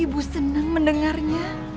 ibu senang mendengarnya